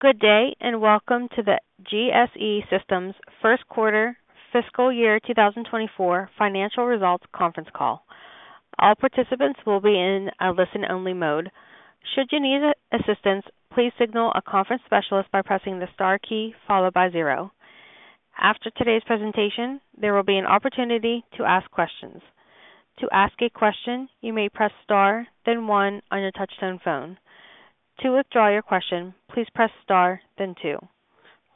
Good day, and welcome to the GSE Systems first quarter fiscal year 2024 financial results conference call. All participants will be in a listen-only mode. Should you need assistance, please signal a conference specialist by pressing the star key followed by zero. After today's presentation, there will be an opportunity to ask questions. To ask a question, you may press star, then one on your touchtone phone. To withdraw your question, please press star, then two.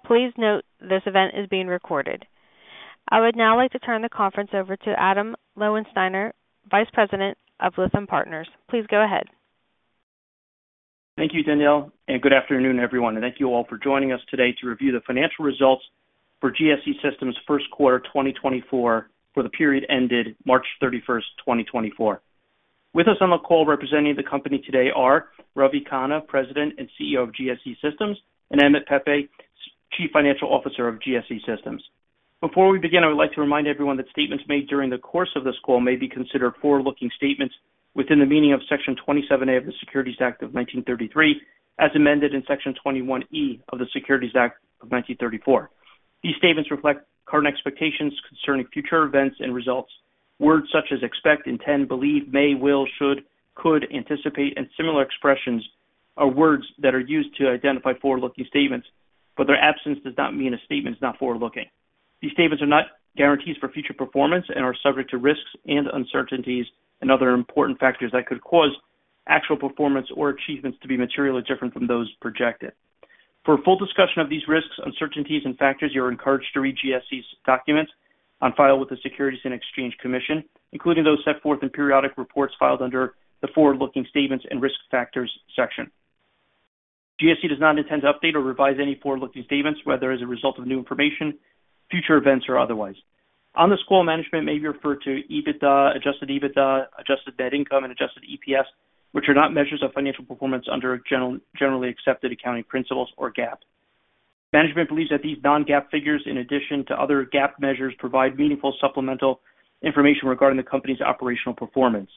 Please note, this event is being recorded. I would now like to turn the conference over to Adam Lowensteiner, Vice President of Lytham Partners. Please go ahead. Thank you, Danielle, and good afternoon, everyone, and thank you all for joining us today to review the financial results for GSE Systems first quarter 2024 for the period ended March 31, 2024. With us on the call representing the company today are Ravi Khanna, President and CEO of GSE Systems, and Emmett Pepe, Chief Financial Officer of GSE Systems. Before we begin, I would like to remind everyone that statements made during the course of this call may be considered forward-looking statements within the meaning of Section 27A of the Securities Act of 1933, as amended in Section 21E of the Securities Act of 1934. These statements reflect current expectations concerning future events and results. Words such as expect, intend, believe, may, will, should, could, anticipate, and similar expressions are words that are used to identify forward-looking statements, but their absence does not mean a statement is not forward-looking. These statements are not guarantees for future performance and are subject to risks and uncertainties and other important factors that could cause actual performance or achievements to be materially different from those projected. For a full discussion of these risks, uncertainties, and factors, you are encouraged to read GSE's documents on file with the Securities and Exchange Commission, including those set forth in periodic reports filed under the Forward-Looking Statements and Risk Factors section. GSE does not intend to update or revise any forward-looking statements, whether as a result of new information, future events, or otherwise. On this call, management may refer to EBITDA, Adjusted EBITDA, adjusted net income, and adjusted EPS, which are not measures of financial performance under generally accepted accounting principles or GAAP. Management believes that these non-GAAP figures, in addition to other GAAP measures, provide meaningful supplemental information regarding the company's operational performance.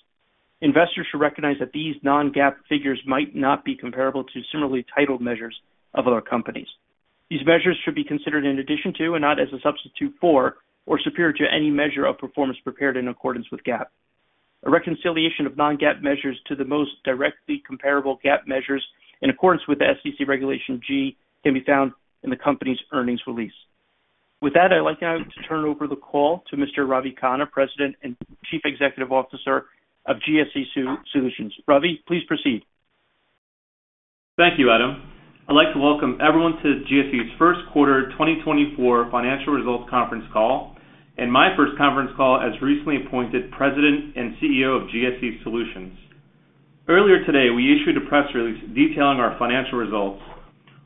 Investors should recognize that these non-GAAP figures might not be comparable to similarly titled measures of other companies. These measures should be considered in addition to and not as a substitute for or superior to any measure of performance prepared in accordance with GAAP. A reconciliation of non-GAAP measures to the most directly comparable GAAP measures in accordance with the SEC Regulation G can be found in the company's earnings release. With that, I'd like now to turn over the call to Mr. Ravi Khanna, President and Chief Executive Officer of GSE Solutions. Ravi, please proceed. Thank you, Adam. I'd like to welcome everyone to GSE's first quarter 2024 financial results conference call, and my first conference call as recently appointed President and CEO of GSE Solutions. Earlier today, we issued a press release detailing our financial results.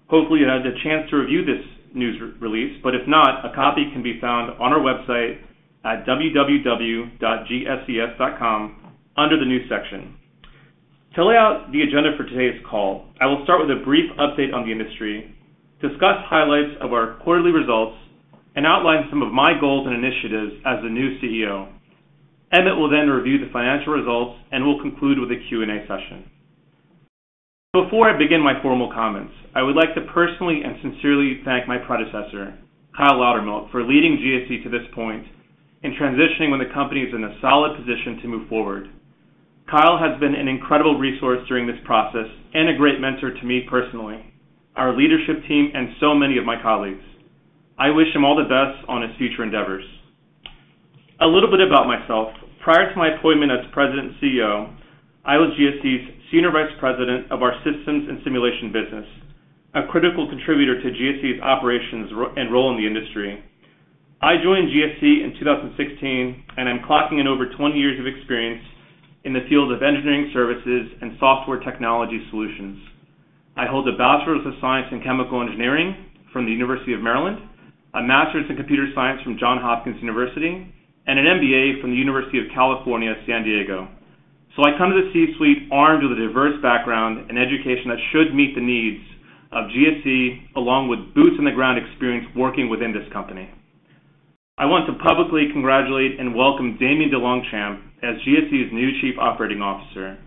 Hopefully, you had the chance to review this news release, but if not, a copy can be found on our website at www.gses.com under the News section. To lay out the agenda for today's call, I will start with a brief update on the industry, discuss highlights of our quarterly results, and outline some of my goals and initiatives as the new CEO. Emmett will then review the financial results, and we'll conclude with a Q&A session. Before I begin my formal comments, I would like to personally and sincerely thank my predecessor, Kyle Loudermilk, for leading GSE to this point and transitioning when the company is in a solid position to move forward. Kyle has been an incredible resource during this process and a great mentor to me personally, our leadership team, and so many of my colleagues. I wish him all the best on his future endeavors. A little bit about myself. Prior to my appointment as President and CEO, I was GSE's Senior Vice President of our Systems and Simulation business, a critical contributor to GSE's operations and role in the industry. I joined GSE in 2016, and I'm clocking in over 20 years of experience in the field of engineering services and software technology solutions. I hold a Bachelor's of Science in Chemical Engineering from the University of Maryland, a Master's in Computer Science from Johns Hopkins University, and an MBA from the University of California, San Diego. So I come to the C-suite armed with a diverse background and education that should meet the needs of GSE, along with boots on the ground experience working within this company. I want to publicly congratulate and welcome Damian DeLongchamp as GSE's new Chief Operating Officer.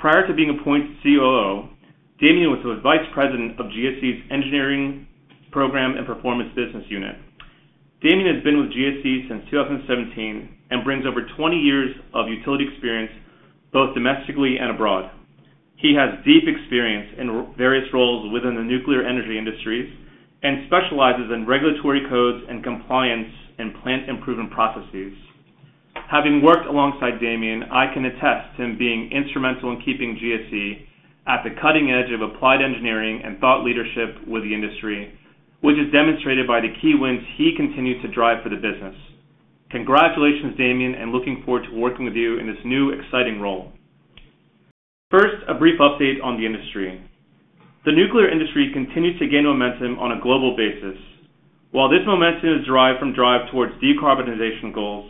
Prior to being appointed COO, Damian was the Vice President of GSE's Engineering Program and Performance Business Unit. Damian has been with GSE since 2017 and brings over 20 years of utility experience, both domestically and abroad. He has deep experience in various roles within the nuclear energy industries and specializes in regulatory codes and compliance and plant improvement processes. Having worked alongside Damian, I can attest to him being instrumental in keeping GSE at the cutting edge of applied engineering and thought leadership with the industry, which is demonstrated by the key wins he continues to drive for the business. Congratulations, Damian, and looking forward to working with you in this new, exciting role. First, a brief update on the industry. The nuclear industry continues to gain momentum on a global basis. While this momentum is derived from drive towards decarbonization goals,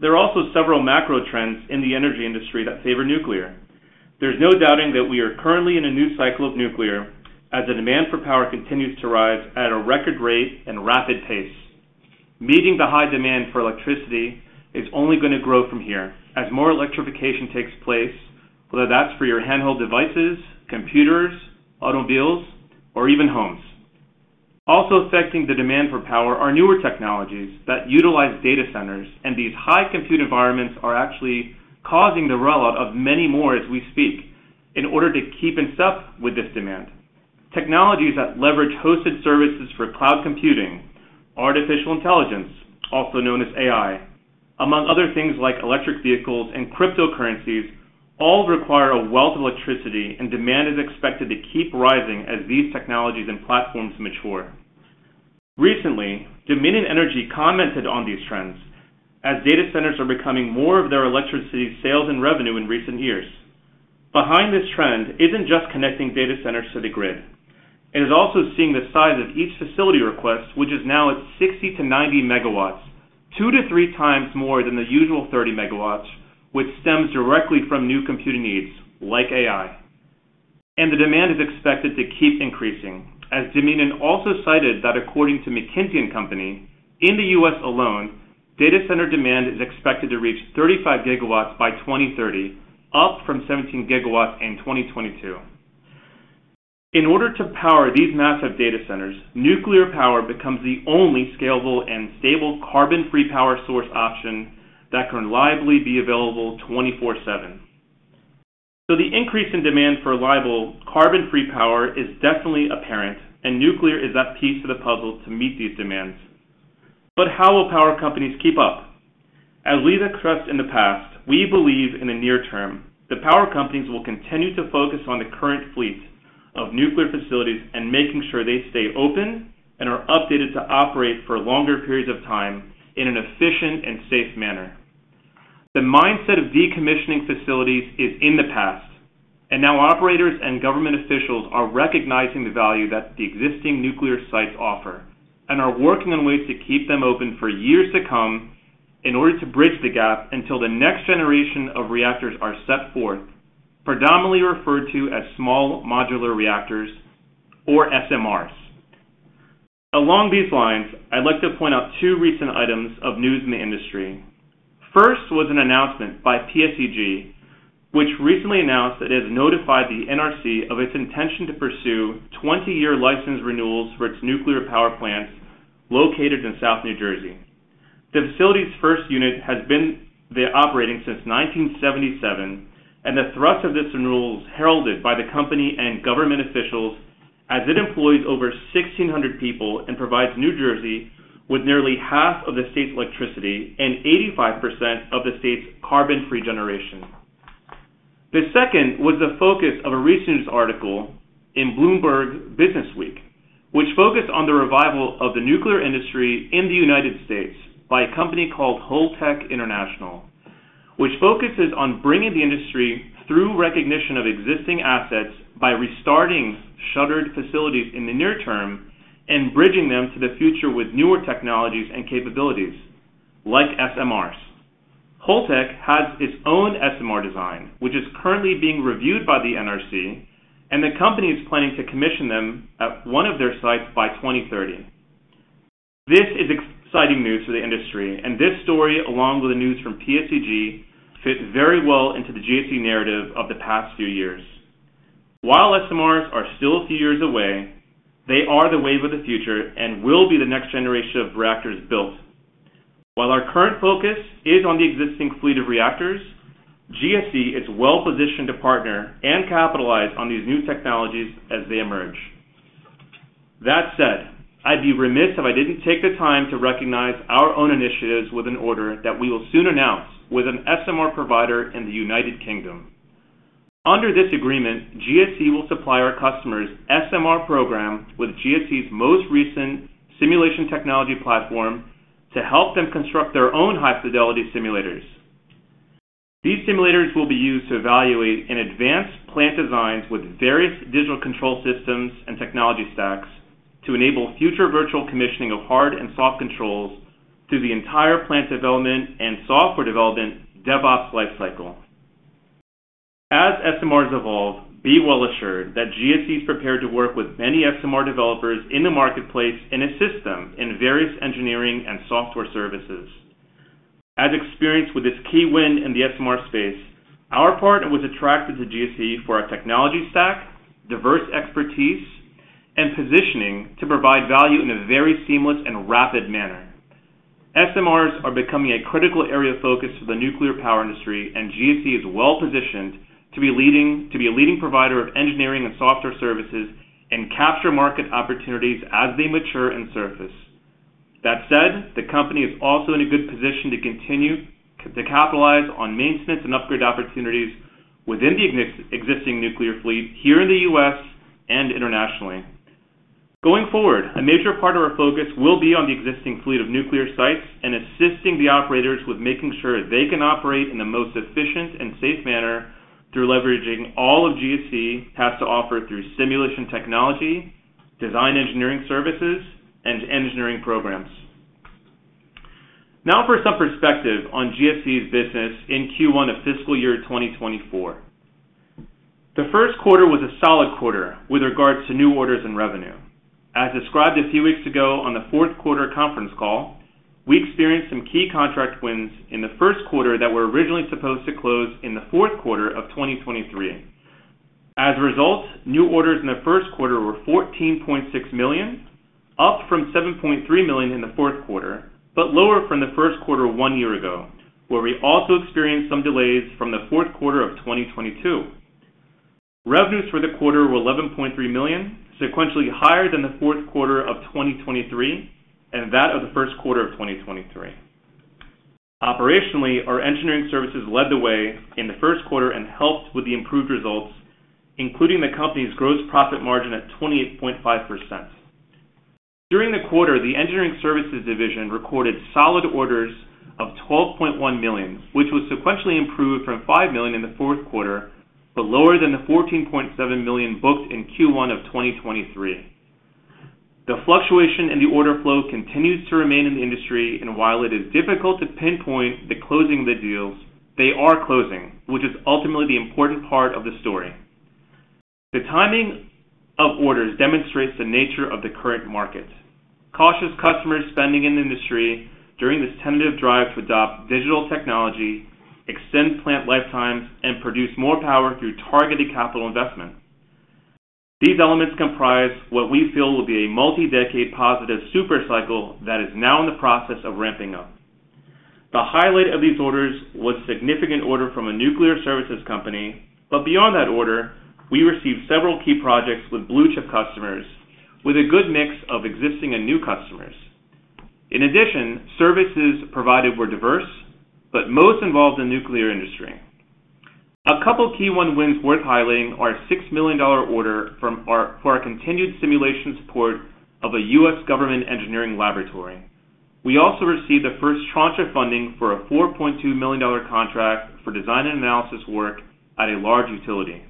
there are also several macro trends in the energy industry that favor nuclear. There's no doubting that we are currently in a new cycle of nuclear as the demand for power continues to rise at a record rate and rapid pace. Meeting the high demand for electricity is only going to grow from here as more electrification takes place, whether that's for your handheld devices, computers, automobiles, or even homes. Also affecting the demand for power are newer technologies that utilize data centers, and these high compute environments are actually causing the rollout of many more as we speak, in order to keep in step with this demand. Technologies that leverage hosted services for cloud computing, artificial intelligence, also known as AI, among other things like electric vehicles and cryptocurrencies, all require a wealth of electricity, and demand is expected to keep rising as these technologies and platforms mature. Recently, Dominion Energy commented on these trends as data centers are becoming more of their electricity sales and revenue in recent years. Behind this trend isn't just connecting data centers to the grid, it is also seeing the size of each facility request, which is now at 60 MW-90 MW, 2x-3x more than the usual 30 MW, which stems directly from new computing needs like AI. The demand is expected to keep increasing, as Dominion also cited that according to McKinsey & Company. In the U.S. alone, data center demand is expected to reach 35 GW by 2030, up from 17 GW in 2022. In order to power these massive data centers, nuclear power becomes the only scalable and stable carbon-free power source option that can reliably be available 24/7. The increase in demand for reliable, carbon-free power is definitely apparent, and nuclear is that piece of the puzzle to meet these demands. How will power companies keep up? As we discussed in the past, we believe in the near term, the power companies will continue to focus on the current fleet of nuclear facilities and making sure they stay open and are updated to operate for longer periods of time in an efficient and safe manner. The mindset of decommissioning facilities is in the past, and now operators and government officials are recognizing the value that the existing nuclear sites offer, and are working on ways to keep them open for years to come in order to bridge the gap until the next generation of reactors are set forth, predominantly referred to as small modular reactors, or SMRs. Along these lines, I'd like to point out two recent items of news in the industry. First, was an announcement by PSEG, which recently announced that it has notified the NRC of its intention to pursue 20-year license renewals for its nuclear power plants located in South New Jersey. The facility's first unit has been—they're operating since 1977, and the thrust of this renewals heralded by the company and government officials as it employs over 1,600 people and provides New Jersey with nearly half of the state's electricity and 85% of the state's carbon-free generation. The second was the focus of a recent article in Bloomberg Businessweek, which focused on the revival of the nuclear industry in the United States by a company called Holtec International, which focuses on bringing the industry through recognition of existing assets by restarting shuttered facilities in the near term and bridging them to the future with newer technologies and capabilities, like SMRs. Holtec has its own SMR design, which is currently being reviewed by the NRC, and the company is planning to commission them at one of their sites by 2030. This is exciting news for the industry, and this story, along with the news from PSEG, fits very well into the GSE narrative of the past few years. While SMRs are still a few years away, they are the wave of the future and will be the next generation of reactors built. While our current focus is on the existing fleet of reactors, GSE is well-positioned to partner and capitalize on these new technologies as they emerge. That said, I'd be remiss if I didn't take the time to recognize our own initiatives with an order that we will soon announce with an SMR provider in the United Kingdom. Under this agreement, GSE will supply our customers' SMR program with GSE's most recent simulation technology platform to help them construct their own high-fidelity simulators. These simulators will be used to evaluate and advance plant designs with various digital control systems and technology stacks to enable future virtual commissioning of hard and soft controls through the entire plant development and software development DevOps lifecycle. As SMRs evolve, be well assured that GSE is prepared to work with many SMR developers in the marketplace and assist them in various engineering and software services. As experienced with this key win in the SMR space, our partner was attracted to GSE for our technology stack, diverse expertise, and positioning to provide value in a very seamless and rapid manner. SMRs are becoming a critical area of focus for the nuclear power industry, and GSE is well-positioned to be a leading provider of engineering and software services, and capture market opportunities as they mature and surface. That said, the company is also in a good position to continue to capitalize on maintenance and upgrade opportunities within the existing nuclear fleet here in the U.S. and internationally. Going forward, a major part of our focus will be on the existing fleet of nuclear sites and assisting the operators with making sure they can operate in the most efficient and safe manner through leveraging all of GSE has to offer through simulation technology, design engineering services, and engineering programs. Now for some perspective on GSE's business in Q1 of fiscal year 2024. The first quarter was a solid quarter with regards to new orders and revenue. As described a few weeks ago on the fourth quarter conference call, we experienced some key contract wins in the first quarter that were originally supposed to close in the fourth quarter of 2023. As a result, new orders in the first quarter were $14.6 million, up from $7.3 million in the fourth quarter, but lower from the first quarter one year ago, where we also experienced some delays from the fourth quarter of 2022. Revenues for the quarter were $11.3 million, sequentially higher than the fourth quarter of 2023, and that of the first quarter of 2023. Operationally, our Engineering Services led the way in the first quarter and helped with the improved results, including the company's gross profit margin at 28.5%. During the quarter, the Engineering Services division recorded solid orders of $12.1 million, which was sequentially improved from $5 million in the fourth quarter, but lower than the $14.7 million booked in Q1 of 2023. The fluctuation in the order flow continues to remain in the industry, and while it is difficult to pinpoint the closing of the deals, they are closing, which is ultimately the important part of the story. The timing of orders demonstrates the nature of the current market. Cautious customers spending in the industry during this tentative drive to adopt digital technology, extend plant lifetimes, and produce more power through targeted capital investment. These elements comprise what we feel will be a multi-decade positive super cycle that is now in the process of ramping up. The highlight of these orders was a significant order from a nuclear services company, but beyond that order, we received several key projects with blue-chip customers with a good mix of existing and new customers. In addition, services provided were diverse, but most involved the nuclear industry. A couple of key one wins worth highlighting are a $6 million order for our continued simulation support of a U.S. government engineering laboratory. We also received the first tranche of funding for a $4.2 million contract for design and analysis work at a large utility.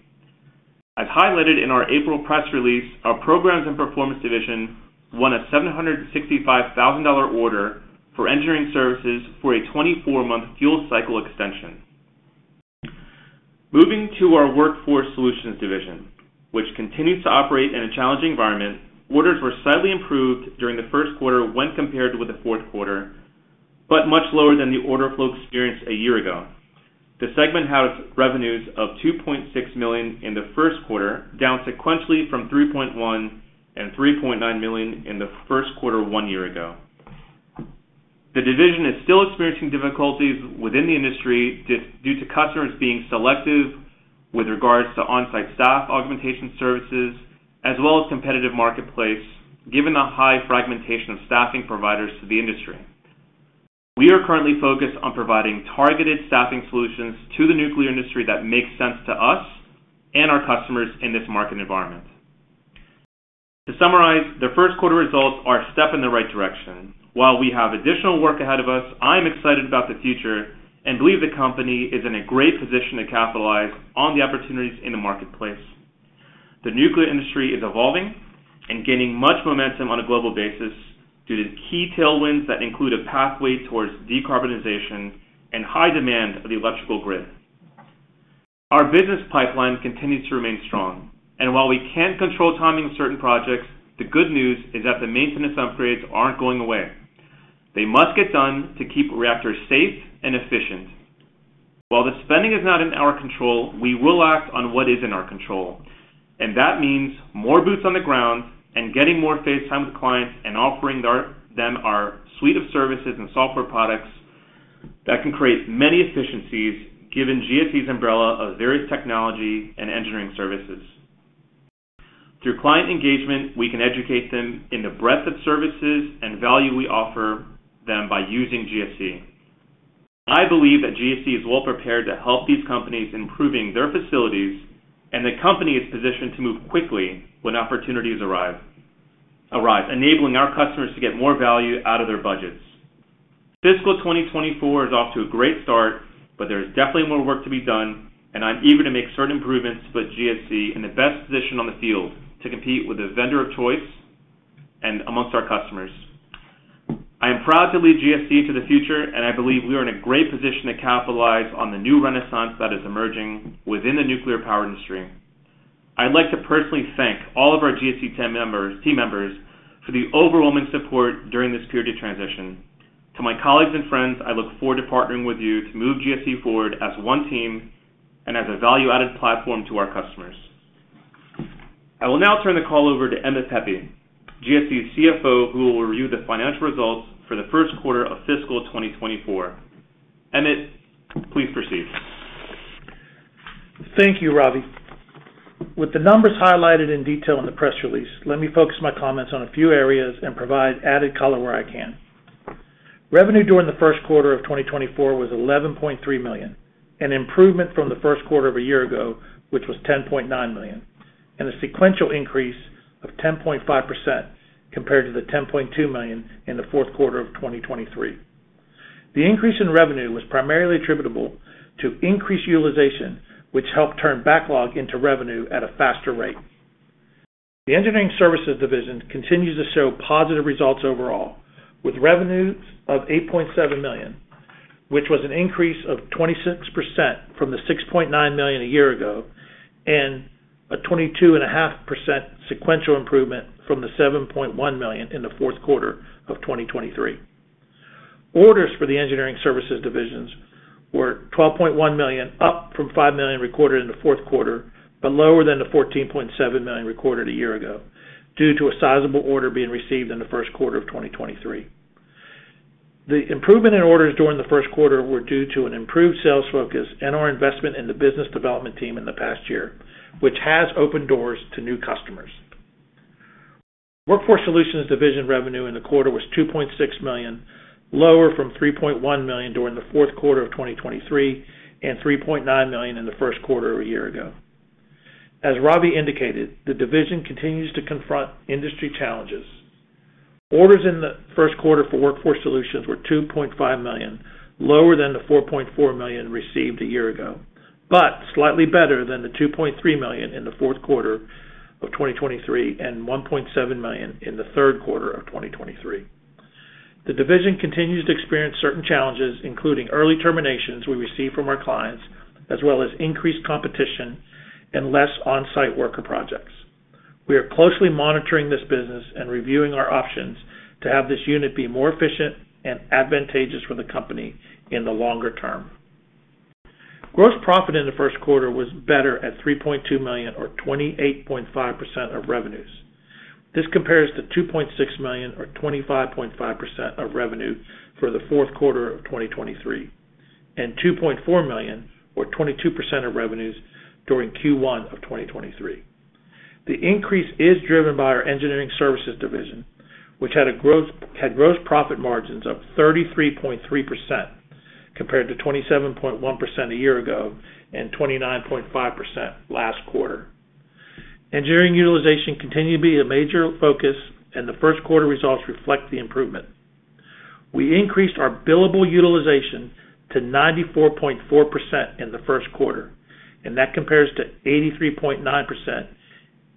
As highlighted in our April press release, our Programs and Performance division won a $765,000 order for engineering services for a 24-month fuel cycle extension. Moving to our Workforce Solutions division, which continues to operate in a challenging environment, orders were slightly improved during the first quarter when compared with the fourth quarter, but much lower than the order flow experienced a year ago. The segment has revenues of $2.6 million in the first quarter, down sequentially from $3.1 million and $3.9 million in the first quarter one year ago. The division is still experiencing difficulties within the industry, due to customers being selective with regards to on-site staff augmentation services, as well as competitive marketplace, given the high fragmentation of staffing providers to the industry. We are currently focused on providing targeted staffing solutions to the nuclear industry that makes sense to us and our customers in this market environment. To summarize, the first quarter results are a step in the right direction. While we have additional work ahead of us, I am excited about the future and believe the company is in a great position to capitalize on the opportunities in the marketplace. The nuclear industry is evolving and gaining much momentum on a global basis due to key tailwinds that include a pathway towards decarbonization and high demand for the electrical grid. Our business pipeline continues to remain strong, and while we can't control timing of certain projects, the good news is that the maintenance upgrades aren't going away. They must get done to keep reactors safe and efficient. While the spending is not in our control, we will act on what is in our control, and that means more boots on the ground and getting more face time with clients and offering them our suite of services and software products that can create many efficiencies, given GSE's umbrella of various technology and engineering services. Through client engagement, we can educate them in the breadth of services and value we offer them by using GSE. I believe that GSE is well prepared to help these companies improving their facilities, and the company is positioned to move quickly when opportunities arrive, enabling our customers to get more value out of their budgets. Fiscal 2024 is off to a great start, but there is definitely more work to be done, and I'm eager to make certain improvements to put GSE in the best position on the field to compete with the vendor of choice and amongst our customers. I am proud to lead GSE to the future, and I believe we are in a great position to capitalize on the new renaissance that is emerging within the nuclear power industry. I'd like to personally thank all of our GSE team members for the overwhelming support during this period of transition. To my colleagues and friends, I look forward to partnering with you to move GSE forward as one team and as a value-added platform to our customers. I will now turn the call over to Emmett Pepe, GSE's CFO, who will review the financial results for the first quarter of fiscal 2024. Emmett, please proceed. Thank you, Ravi. With the numbers highlighted in detail in the press release, let me focus my comments on a few areas and provide added color where I can. Revenue during the first quarter of 2024 was $11.3 million, an improvement from the first quarter of a year ago, which was $10.9 million, and a sequential increase of 10.5% compared to the $10.2 million in the fourth quarter of 2023. The increase in revenue was primarily attributable to increased utilization, which helped turn backlog into revenue at a faster rate. The Engineering Services division continues to show positive results overall, with revenues of $8.7 million, which was an increase of 26% from the $6.9 million a year ago, and a 22.5% sequential improvement from the $7.1 million in the fourth quarter of 2023. Orders for the Engineering Services divisions were $12.1 million, up from $5 million recorded in the fourth quarter, but lower than the $14.7 million recorded a year ago, due to a sizable order being received in the first quarter of 2023. The improvement in orders during the first quarter were due to an improved sales focus and our investment in the business development team in the past year, which has opened doors to new customers. Workforce Solutions division revenue in the quarter was $2.6 million, lower from $3.1 million during the fourth quarter of 2023, and $3.9 million in the first quarter a year ago. As Ravi indicated, the division continues to confront industry challenges. Orders in the first quarter for Workforce Solutions were $2.5 million, lower than the $4.4 million received a year ago, but slightly better than the $2.3 million in the fourth quarter of 2023, and $1.7 million in the third quarter of 2023. The division continues to experience certain challenges, including early terminations we receive from our clients, as well as increased competition and less on-site worker projects. We are closely monitoring this business and reviewing our options to have this unit be more efficient and advantageous for the company in the longer term. Gross profit in the first quarter was better at $3.2 million or 28.5% of revenues. This compares to $2.6 million, or 25.5% of revenue for the fourth quarter of 2023, and $2.4 million or 22% of revenues during Q1 of 2023. The increase is driven by our Engineering Services division, which had gross profit margins of 33.3%, compared to 27.1% a year ago, and 29.5% last quarter. Engineering utilization continued to be a major focus, and the first quarter results reflect the improvement. We increased our billable utilization to 94.4% in the first quarter, and that compares to 83.9%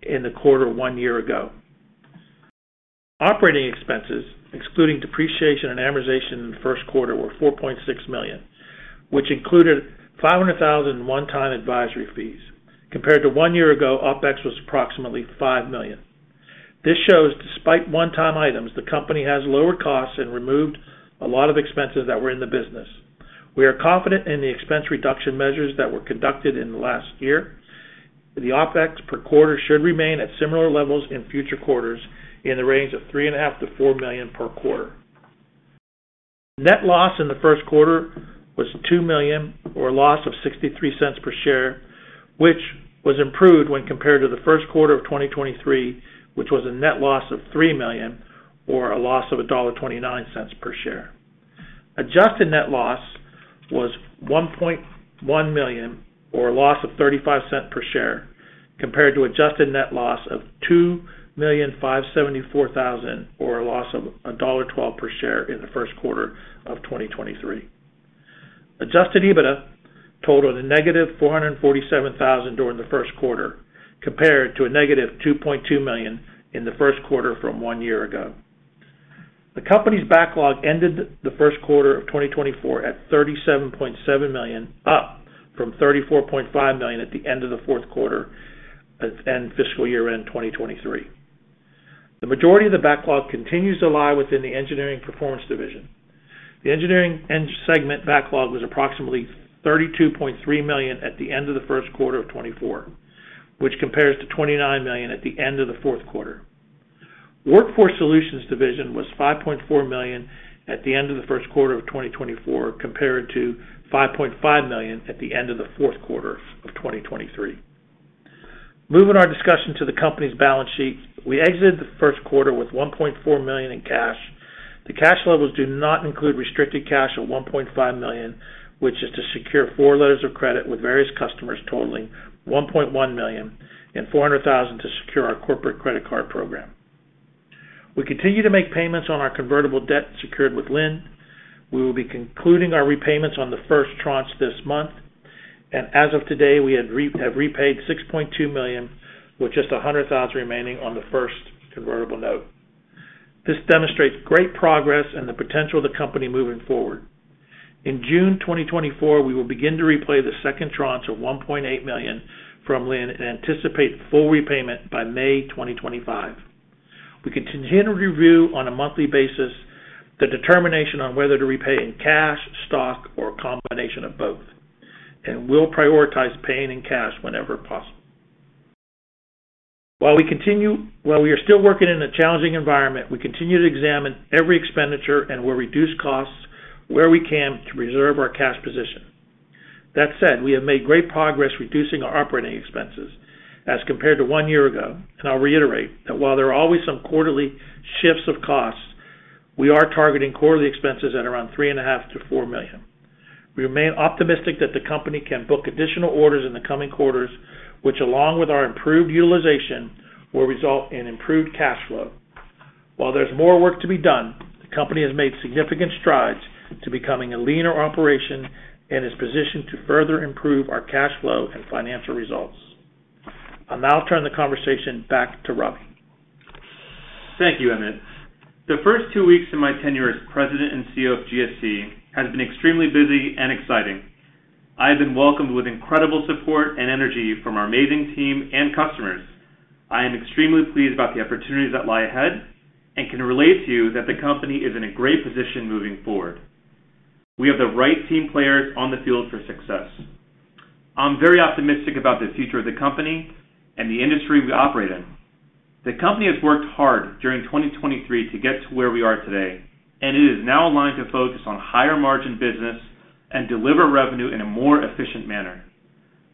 in the quarter one year ago. Operating expenses, excluding depreciation and amortization in the first quarter, were $4.6 million, which included $500,000 one-time advisory fees. Compared to one year ago, OpEx was approximately $5 million. This shows, despite one-time items, the company has lower costs and removed a lot of expenses that were in the business. We are confident in the expense reduction measures that were conducted in the last year. The OpEx per quarter should remain at similar levels in future quarters in the range of $3.5 million-$4 million per quarter. Net loss in the first quarter was $2 million, or a loss of $0.63 per share, which was improved when compared to the first quarter of 2023, which was a net loss of $3 million, or a loss of $1.29 per share. Adjusted net loss was $1.1 million, or a loss of $0.35 per share, compared to adjusted net loss of $2.574 million, or a loss of $1.12 per share in the first quarter of 2023. Adjusted EBITDA totaled a -$447,000 during the first quarter, compared to a -$2.2 million in the first quarter from one year ago. The company's backlog ended the first quarter of 2024 at $37.7 million, up from $34.5 million at the end of the fourth quarter and fiscal year end 2023. The majority of the backlog continues to lie within the Engineering Performance division. The engineering and segment backlog was approximately $32.3 million at the end of the first quarter of 2024, which compares to $29 million at the end of the fourth quarter. Workforce Solutions division was $5.4 million at the end of the first quarter of 2024, compared to $5.5 million at the end of the fourth quarter of 2023. Moving our discussion to the company's balance sheet. We exited the first quarter with $1.4 million in cash. The cash levels do not include restricted cash of $1.5 million, which is to secure four letters of credit with various customers totaling $1.1 million and $400,000 to secure our corporate credit card program. We continue to make payments on our convertible debt secured with Lind. We will be concluding our repayments on the first tranche this month, and as of today, we have repaid $6.2 million, with just $100,000 remaining on the first convertible note. This demonstrates great progress and the potential of the company moving forward. In June 2024, we will begin to repay the second tranche of $1.8 million from the loan and anticipate full repayment by May 2025. We continue to review on a monthly basis the determination on whether to repay in cash, stock, or a combination of both, and we'll prioritize paying in cash whenever possible. While we are still working in a challenging environment, we continue to examine every expenditure and will reduce costs where we can to preserve our cash position. That said, we have made great progress reducing our operating expenses as compared to one year ago. I'll reiterate that while there are always some quarterly shifts of costs, we are targeting quarterly expenses at around $3.5 million-$4 million. We remain optimistic that the company can book additional orders in the coming quarters, which, along with our improved utilization, will result in improved cash flow. While there's more work to be done, the company has made significant strides to becoming a leaner operation and is positioned to further improve our cash flow and financial results. I'll now turn the conversation back to Ravi. Thank you, Emmett. The first two weeks of my tenure as President and CEO of GSE has been extremely busy and exciting. I've been welcomed with incredible support and energy from our amazing team and customers. I am extremely pleased about the opportunities that lie ahead and can relate to you that the company is in a great position moving forward. We have the right team players on the field for success. I'm very optimistic about the future of the company and the industry we operate in. The company has worked hard during 2023 to get to where we are today, and it is now aligned to focus on higher margin business and deliver revenue in a more efficient manner.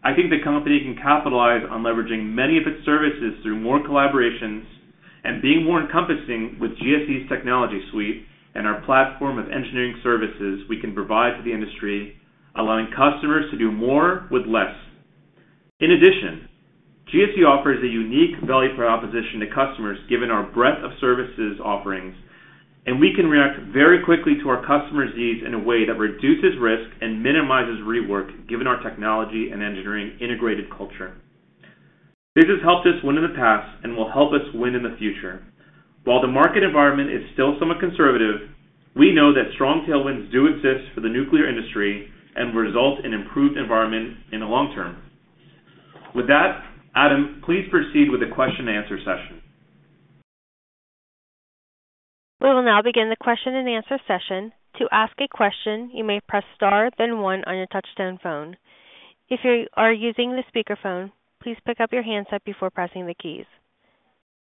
I think the company can capitalize on leveraging many of its services through more collaborations and being more encompassing with GSE's technology suite and our platform of engineering services we can provide to the industry, allowing customers to do more with less. In addition, GSE offers a unique value proposition to customers, given our breadth of services offerings, and we can react very quickly to our customer's needs in a way that reduces risk and minimizes rework, given our technology and engineering integrated culture. This has helped us win in the past and will help us win in the future. While the market environment is still somewhat conservative, we know that strong tailwinds do exist for the nuclear industry and will result in improved environment in the long term. With that, Adam, please proceed with the question and answer session. We will now begin the question-and-answer session. To ask a question, you may press star, then one on your touchtone phone. If you are using the speakerphone, please pick up your handset before pressing the keys.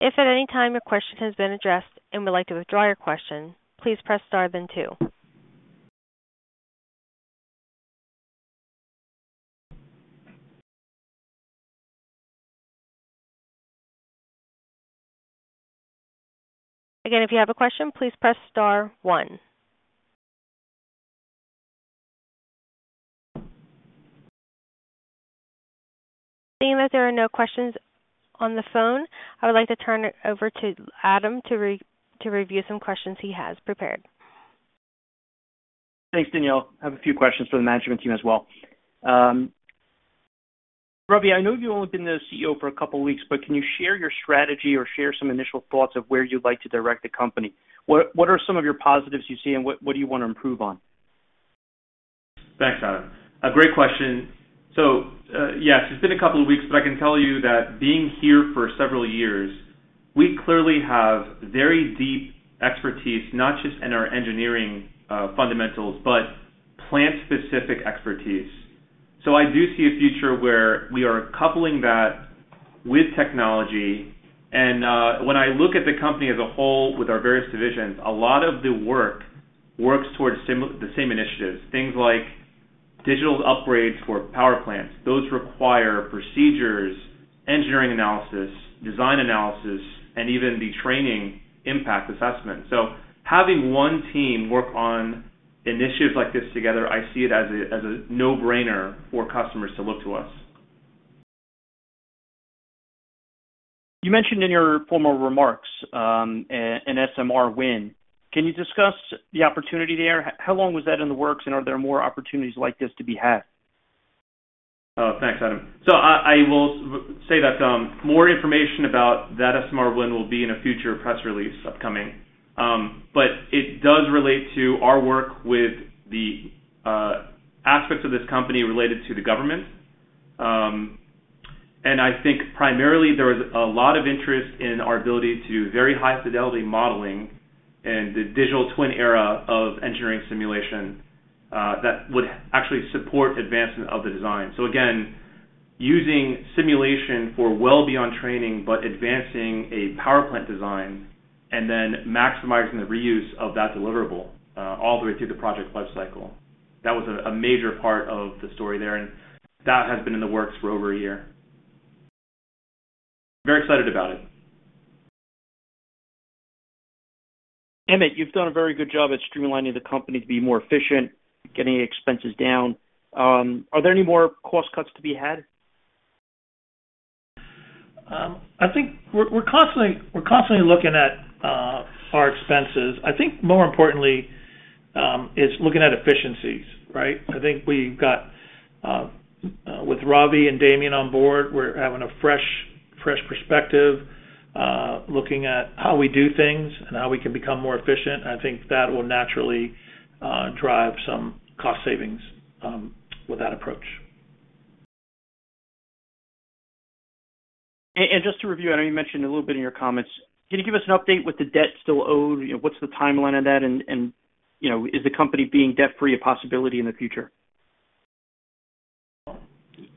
If at any time your question has been addressed and would like to withdraw your question, please press star then two. Again, if you have a question, please press star one. Seeing that there are no questions on the phone, I would like to turn it over to Adam to review some questions he has prepared. Thanks, Danielle. I have a few questions for the management team as well. Ravi, I know you've only been the CEO for a couple of weeks, but can you share your strategy or share some initial thoughts of where you'd like to direct the company? What, what are some of your positives you see, and what, what do you want to improve on? Thanks, Adam. A great question. So, yes, it's been a couple of weeks, but I can tell you that being here for several years, we clearly have very deep expertise, not just in our engineering fundamentals, but plant-specific expertise. So I do see a future where we are coupling that with technology, and when I look at the company as a whole with our various divisions, a lot of the work works towards the same initiatives. Things like digital upgrades for power plants. Those require procedures, engineering analysis, design analysis, and even the training impact assessment. So having one team work on initiatives like this together, I see it as a no-brainer for customers to look to us. You mentioned in your former remarks, an SMR win. Can you discuss the opportunity there? How long was that in the works, and are there more opportunities like this to be had? Thanks, Adam. So I will say that more information about that SMR win will be in a future press release upcoming. But it does relate to our work with the aspects of this company related to the government. And I think primarily there is a lot of interest in our ability to do very high fidelity modeling and the digital twin era of engineering simulation that would actually support advancement of the design. So again, using simulation for well beyond training, but advancing a power plant design and then maximizing the reuse of that deliverable all the way through the project lifecycle. That was a major part of the story there, and that has been in the works for over a year. Very excited about it. Emmett, you've done a very good job at streamlining the company to be more efficient, getting expenses down. Are there any more cost cuts to be had? I think we're constantly looking at our expenses. I think more importantly is looking at efficiencies, right? I think we've got with Ravi and Damian on board, we're having a fresh perspective looking at how we do things and how we can become more efficient. I think that will naturally drive some cost savings with that approach. Just to review, I know you mentioned a little bit in your comments, can you give us an update with the debt still owed? You know, what's the timeline on that, and, and, you know, is the company being debt-free a possibility in the future?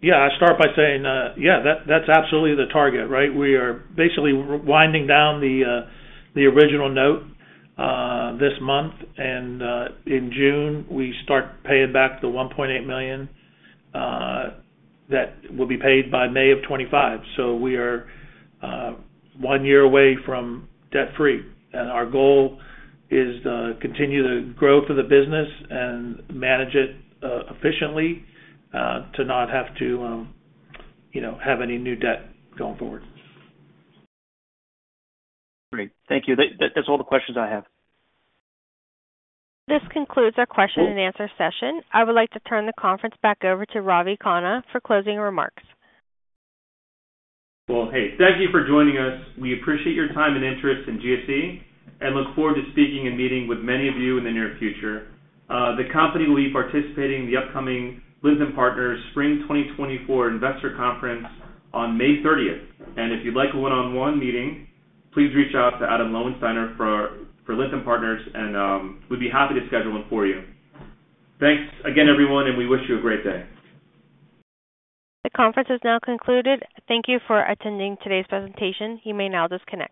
Yeah. I'll start by saying, yeah, that, that's absolutely the target, right? We are basically winding down the, the original note, this month, and, in June, we start paying back the $1.8 million, that will be paid by May of 2025. So we are, one year away from debt-free, and our goal is to continue to grow for the business and manage it, efficiently, to not have to, you know, have any new debt going forward. Great. Thank you. That's all the questions I have. This concludes our question and answer session. I would like to turn the conference back over to Ravi Khanna for closing remarks. Well, hey, thank you for joining us. We appreciate your time and interest in GSE and look forward to speaking and meeting with many of you in the near future. The company will be participating in the upcoming Lytham Partners Spring 2024 Investor Conference on May 30, and if you'd like a one-on-one meeting, please reach out to Adam Lowensteiner for Lytham Partners, and we'd be happy to schedule it for you. Thanks again, everyone, and we wish you a great day. The conference is now concluded. Thank you for attending today's presentation. You may now disconnect.